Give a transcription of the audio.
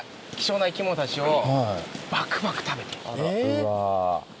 うわ。